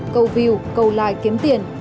câu view câu like kiếm tiền